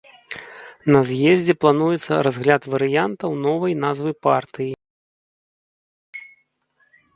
На з'ездзе плануецца разгляд варыянтаў новай назвы партыі.